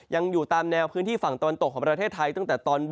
ยังอยู่ตามแนวพื้นที่ฝั่งตะวันตก